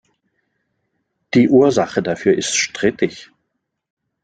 Die Ursache dafür ist strittig.